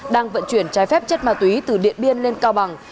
đang vận chuyển trái phép chất ma túy từ điện biên lên cao bằng